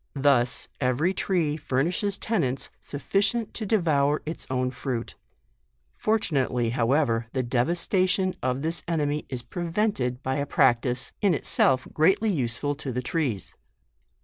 Thus every tree furnishes tenants sufficient to devour its own fruit. Fortunate ly, however, the devastation of this enemy is prevented by a practice, in itself greatly use ful to the trees.